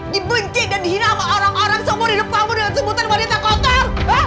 dibungkit dan dihina sama orang orang semua di depanmu dengan sebutan wanita kotor